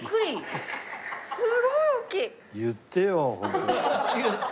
言ってよ！